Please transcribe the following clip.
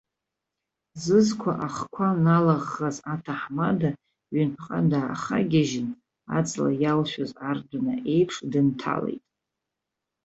Зызқәа ахқәа налаӷӷаз аҭаҳмада ҩынтәҟа даахагьежьын, аҵла иалшәаз ардәына еиԥш дынҭалеит.